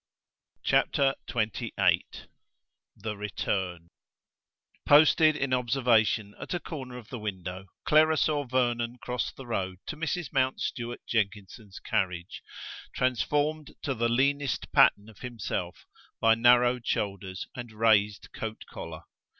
CHAPTER XXVIII THE RETURN Posted in observation at a corner of the window Clara saw Vernon cross the road to Mrs. Mountstuart Jenkinson's carriage, transformed to the leanest pattern of himself by narrowed shoulders and raised coat collar.